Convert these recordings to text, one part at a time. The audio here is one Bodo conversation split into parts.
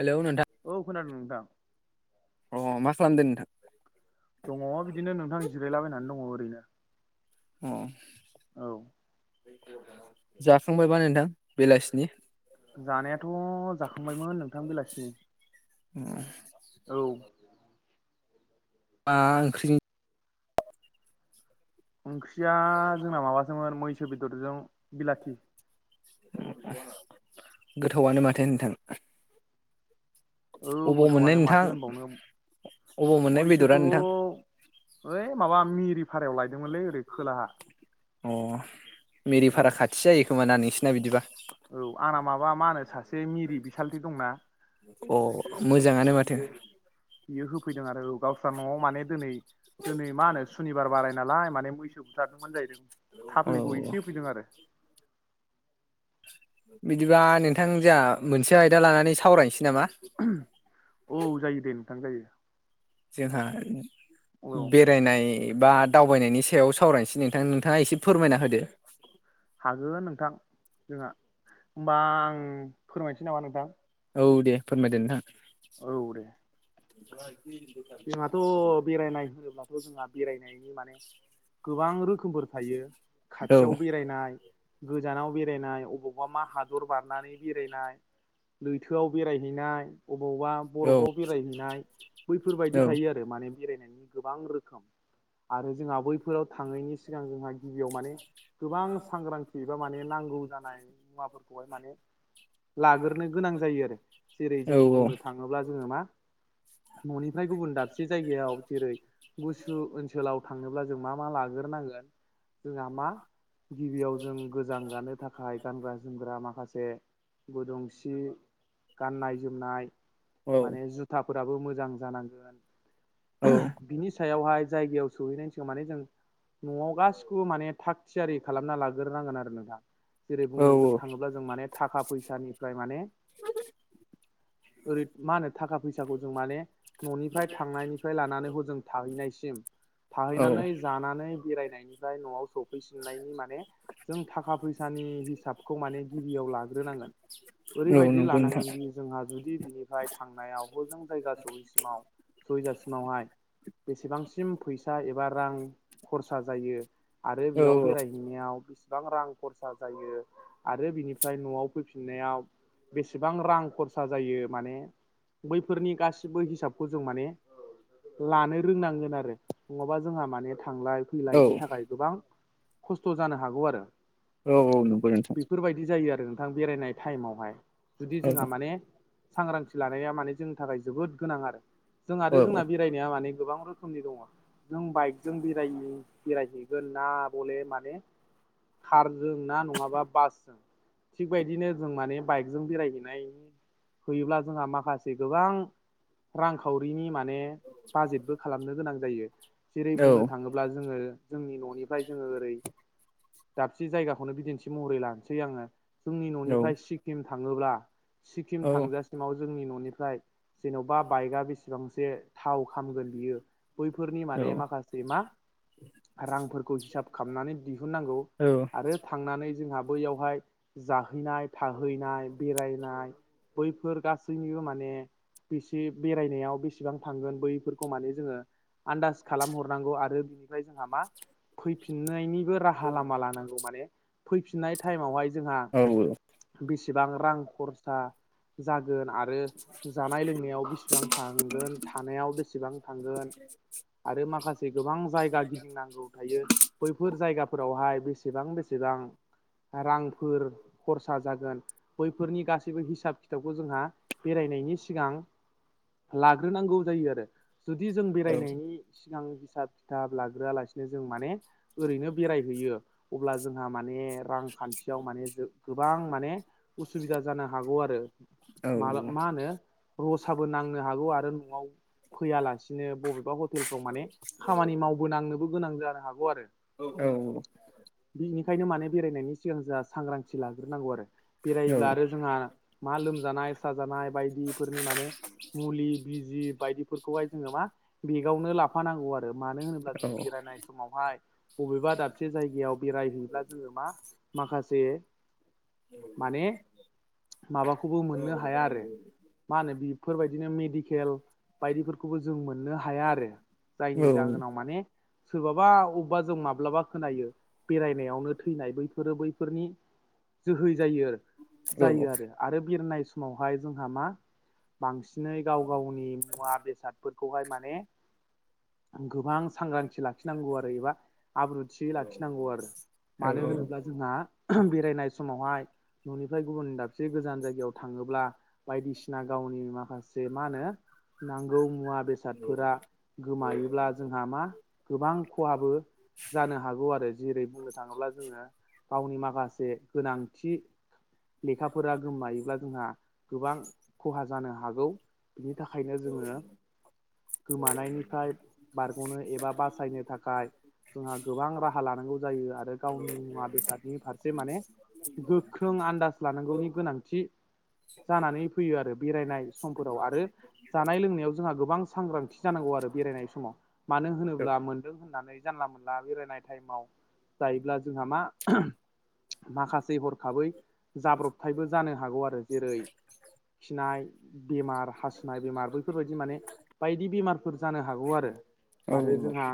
हेलौ नोंथां औ खोनादों नोंथां अ मा खालामदो नोंथां दङ बिदिनो नोंथां जिरायलाबायनानै दङ ओरैनो अ औ जाखांबायबा नोंथां बेलासिनि जानायाथ' जाखांबायमोन नोंथां बेलासिनि [inaudible] औ मा ओंख्रि ओंख्रिया जोंना माबासोमोन मैसो बेदरजों बिलाथि गोथावआनो माथो नोंथां औ अबाव मोननाय गोथावानो माथो नोंथां होनबावनो अबाव मोननाय बेदरा मैसोखौ नोंथां ओइ माबा मिरि पारायाव लायदोंमोनलै ओरै खोलाहा अ मेरि औ पारा खाथि जायो खोमाना नोंसिना बिदिबा औ आंना माबा मा होनो सासे मिरि बिसालथि दंना अ मोजाङानो माथो बियो बियो होफैदों आरो औ गावस्रा न'आव माने दिनै दिनै मा होनो सुनिबार बाराय नालाय माने मैसो बुथारदोंमोन जाहैदों औ थाफ्लिखौ एसे होफैदों आरो बिदिबा नोंथां ज मोनसे आयदा लानानै सावरायनोसै नामा औ जायो दे नोंथां जायो जोंहा बे औ बेरायनाय बा दावबायनायनि सायाव सावरायनोसै नोंथां नोंथाङा एसे फोरमायना होदो हागोन नोंथां जोंहा हबा आं फोरमायनोसै नामा नोंथां औ दे फोरमायदो नोंथां औ दे जोंहाथ' बेरायनाय होनोब्लाथ' जोंहा बेरायनायनि माने गोबां रोखोमफोर थायो खाथियाव बेरायनाय गोजानाव बेरायनाय अबावबा मा हादर बारनानै बेरायनाय लैथोआव बेरायहैनाय अबावबा औ बरफआव बेरायहैनाय बेफोरबायदि औ थायो आरो माने बेरायनायनि गोबां रोखोम आरो जोंहा बैफोराव थाङैनायनि सिगां जोंहा गिबियाव माने गोबां सांग्रांथि एबा माने नांगौ जानाय मुवाफोरखौहाय माने लाग्रोनो गोनां जायो आरो जेरै औ जों बुंनो थाङोब्ला जोङो मा न'निफ्राय गुबुन दाबसे जायगायाव जेरै गुसु ओनसोलाव थांनोब्ला जों मा मा लाग्रोनांगोन जोंहा मा गिबियाव जों गोजां गानो थाखाय थाखाय गानग्रा जोमग्रा माखासे गुदुं सि गाननाय जोमनाय औ माने जुथाफोराबो मोजां औ जानांगोन बिनि सायावहाय जायगायाव सहैनायनि सिगां माने जों न'आव गासिखौबो माने थाग थियारि खालामना लाग्रोनांगोन आरो नोंथां जेरै औ बुंनो जो थाङोब्ला जों माने थाखा फैसानिफ्राय माने [inaudible] ओरै मा होनो थाखा फैसाखौ जों माने न'निफ्राय थांनायनिफ्राय लानानै हजों थाहैनायसिम औ औ थाहैनानै जानानै बेरायनायनिफ्राय न'आव सफैसिननायनि मान मे जों थाखा फैसानि हिसाबखौ माने गिबियाव लाग्रोनांगोन औ ओरैबायदि नंगौ नोंथां लानांगोनदि जोंहा जुदि बिनिफ्राय थांनायाव हजों जायगा सहैसिम माव सहैजासिमावहाय बेसेबांसिम फैसा एबा रां खरसा जायो आरो बेयाव औ बेराय नेयाव बेसेबां रां खरसा जायो आरो बिनिफ्राय न'आव फैफिननायाव बेसेबां रां खरसा जायो माने बैफोरनि गासिबो हिसाब ह'जों माने लानो रोंनांगोन आरो नङाबा जोंहा माने थांलाय औ फैलायनि थाखाय गोबां खस्थ' जानो हागौ आरो औ औ नंगौ नोंथां बेफोरबायदि जायो आरो नोंथां बेरायनाय टाइमावहाय जुदि औ जोंहा माने सांग्रांथि लानाया माने जोंनि थाखाय जोबोद गोनां आरो जों औ आरो जोंना बे बेरायनाया माने गोबां रोखोमनि दङ नों बाइकजों बेरायो बेरायहैगोन ना बले माने कारजों ना नङाबा बासजों थिग बायदिनो जों माने बाइकजों बेरायहैनाय फैयोब्ला जोंहा माखासे गोबां रांखावरिनि माने बाजेटबो खालामनो गोनां जायो जेरै औ बुंनो थाङोब्ला अब्ला जोङो जोंनि न'निफ्राय जोङो ओरै दाबसे जायगाखौनो बिदिन्थि महरै लानोसै आङो जोंनि औ न'निफ्राय सिक्किम थाङोब्ला सिक्किम थांजासिमाव जोंनि न'निफ्राय जेन'बा बा बाइकआ बेसेबांसे थाव खामगोन बियो बैफोरनि माने माखासे मा रांफोरखौ हिसाब खामनानै दिहुननांगौ आरो थांनानै जोंहा बैयावहाय जाहैनाय थाहैनाय बेरायनाय बैफोर गासैनिबो माने बेसे बेरायनायाव बेसेबां थांगोन बैफोरखौ माने जोङो आन्दाज खालाम हरनांगौ आरो बिनिफ्राय जोंहा मा फैफिननायनि राहा लामा लानांगौ माने फैफिननाय टाइमावहाय जोंहा बेसेबां रां खरसा जागोन आरो जानाय लोंनाय नायाव बेसेबां थांगोन थानायाव बेसेबां थांगोन [unintelligible] आरो माखासे गोबां जायगा गिदिंनांगौ थायो बैफोर जायगाफोरावहाय बेसेबां बेसेबां रांफोर खरसा जागोन बैफोरनि गासैबो हिसाब खिथाबखौ जोंहा बेरायनायनि सिगां लाग्रोनांगौ जायो आरो जुदि जों बेरायनायनि सिगां हिसाब खिथाब लाग्रोआ लासिनो जों माने ओरैनो बेरायहैयो अब्ला जोंहा माने रांखान्थियाव माने जो गोबां माने उसुबिदा जानो हागौ आरो माला मा औ होनो रसाबो नांनो हागौ आरो न'आव फैयालासिनो बबेबा हटेलफ्राव माने खामानि मावबोनांनोबो गोनां जानो हागौ आरो औ औ बिनिखायनो माने बेरायनायनि सिगां जा सांग्रांथि लाग्रोनांगौ आरो बेरब्ला आरो जोंहा मा लोमजानाय साजानाय बायदि माने मुलि बिजि बायदिफोरखौहाय जोङो मा बेगावनो लाफानांगौ आरो मानो होनोब्ला जों बेरायनाय समावहाय बबेबा दाबसे जायगायाव बेरायहैब्ला जोङो मा माखासे माने माबाखौबो मोननो हाया आरो मा होनो बेफोरबायदिनो मेडिकेल बायदिफोरखौबो जों मोननो हाया आरो जायनि जाहोनाव माने सोरबाबा अबेबा जों माब्लाबा खोनायो बेरायनायावनो थैनाय बैफोरो बैफोरनि जोहै जायो औ जायो आरो आरो बेरनाय समावहाय जोंहा मा बांसिनै गाव गावनि मुवा बेसादफोरखौहाय माने गोबां सांग्रांथि लाखिनांगौ आरो एबा आब्रुथि लाखिनांगौ आरो मानो औ होनोब्ला जोंहा बेरायनाय समावहाय न'निफ्राय गुबुन दाबसे गोजान जायगायाव थाङोब्ला बायदिसिना ग म मांग [inaudible] बेसादफोरा गोमायोब्ला जोंहा मा गोबां खहाबो जानो हागौ आरो जेरै बुंनो थाङोब्ला जोङो गावनि माखासे गोनांथि लेखाफोरा गोमायोब्ला जोंहा गोबां खहा जानो हागौ बिनि थाखायनो जोङो गोमानायनिफ्राय बारग'नो एबा बासायनो थाखाय जोंहा गोबां राहा लानांगौ जायो आरो गावनि मुवा बेसादनि फारसे माने गोख्रों आन्दाज लानांगौनि गोनांथि [inaudible] जानानै फैयो आरो बेरायनाय समफोराव आरो जानाय लोंनायाव जोंहा गोबां सांग्रांथि जानांगौ आरो बेरायनाय समाव मानो होनोब्ला मोनदों होननानै जानला मोनला बेरायनाय टाइमाव जायोब्ला जोंहा मा माखासे हरखाबै जाब्रबथायबो जानो हागौ आरो जेरै खिनाय बेमार हासुनाय बेमार बैफोरबायाददि माने बायदि बेमारफोर जानो हागौ आरो आरो खोनादों जोंहा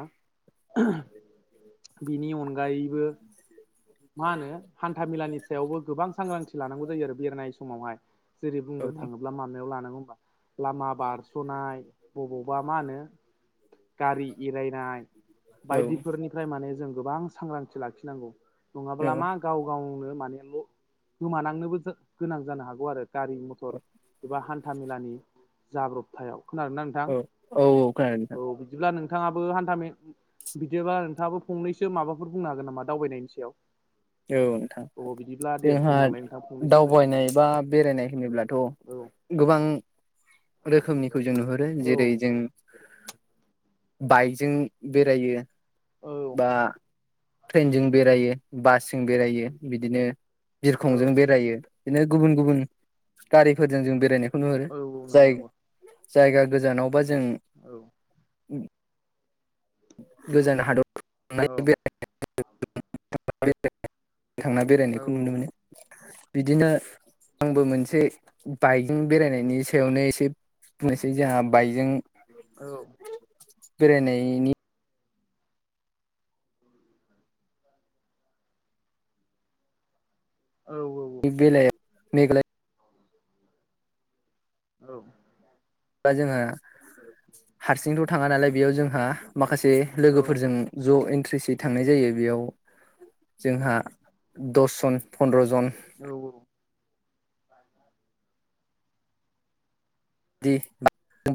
बिनि अनगायैबो मा होनो हान्था मेलानि सायावबो गोबां सांग्रांथि लानांगौ जायो आरो बेरायनाय समावहाय जेरै बुंनो थाङोब्ला माबायाव लानांगौ होनबा लामा बारस'नाय बबावबा मा होनो गारि इरायनाय बायदिफोरनि ओमफ्राय माने जों गोबां सांग्रांथि लाखिनांगौ नङाब्ला मा नोंथां गाव गावनो माने ल' गोमानांनोबो गोनां जानो हागौ आरो गारि एबा हान्थाामेलानि जाब्रबथायाव खोनार ना नोंथां औ औ बिदिब्ला नोंथाङाबो हान्थामेला बिदिबा नोंथाङाबो फंनैसो माबफोर बुंनो हागोन नामा दावबायनायनि सायाव? औ नोंथां अ बिदिब्ला दे जोंहा बुंलांलाय नोंथां फंनैसोनो दावबायनाय बा बेरायनाय होनोब्लाथ' औ गोबां रोखोमनिखौ जों नुहुरो औ जेरै जों बाइकजों बेरायो औ बा ट्रेनजों बेरायो बासजों बेरायो बिदिनो औ बिरखंजों बेरायो बिदिनो गुबुन गुबुन गारिफोरजों जों बेरायनायखौ नुहुरो औ नंगौ जाय नंगौ जायगा गोजानावबा जों औ गोजान हादर [unintelligible] औ थांना औ बेरायनायखौ नुनो मोनो बिदिनो आंबो मोनसे बाइकजों बेरायनायनि सायावनो एसे बुंनोसै जोंहा बाइकजों औ बे न औ औ बे बेल मेघ औ बा जोंहा हारसिंथ' थाङा नालाय बेयाव जोंहा माखासे लोगोफोरजों ज' इन्ट्रेसयै थांनाय जायो बेयाव जोंहा दसजन फन्द्र'जन औ औ दि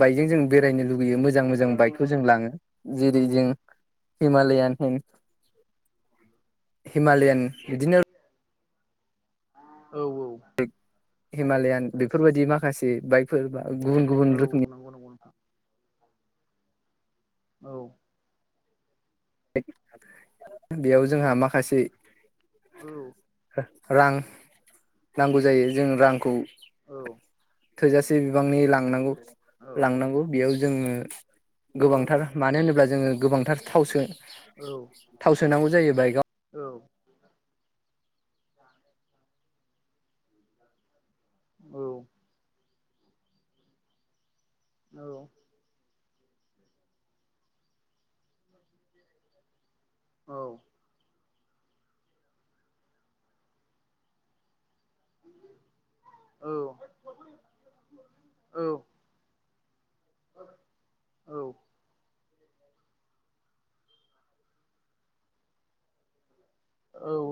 बाइकजों जों बेरायनो लुुबैयो मोजां मोजां बाइकखौ जों लाङो जेरै जों हिमालयान होन हिमालयान बिदिनो औ औ हिमालयान बेफोरबायदि माखासे बाइकफोर बा गुबुन गुबुन रोखोमनि नांगौ नांगौ नोंथां औ बेयाव जोंहा माखासे औ रां नांगौ जायो जों रांखौ औ थोजासे बिबांनि लांनांगौ औ लांनांगौ बेयाव जोङो औ गोबांथार मानो होनोब्ला जोङो गोबांथार थाव सो थाव सोनांगौ जायो बाइकआव औ औ औ औ औ औ औ औ